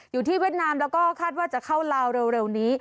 เวียดนามแล้วก็คาดว่าจะเข้าลาวเร็วนี้